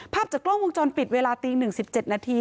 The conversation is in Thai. ภาพจากกล้องวงจรปิดเวลาตี๑๗นาที